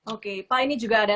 oke pak ini juga ada